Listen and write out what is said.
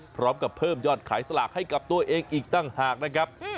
พร้อมกับเพิ่มยอดขายสลากให้กับตัวเองอีกต่างหากนะครับ